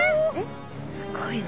すごいな。